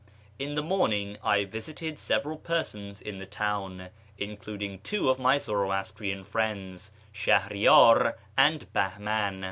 — In the morning I visited several persons in the town, including two of my Zoroastrian friends, Shahriyar and Bahman.